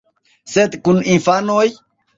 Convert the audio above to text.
Sed kun infanoj?